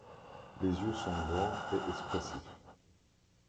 Les yeux sont grands et expressifs.